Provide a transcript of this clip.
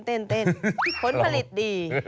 ผลผลิตดี